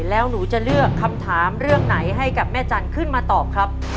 แล้วหนูจะเลือกคำถามเรื่องไหนให้กับแม่จันทร์ขึ้นมาตอบครับ